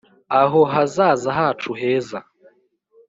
Aho hazaza hacu heza